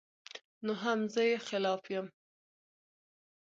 نو هم ئې زۀ خلاف يم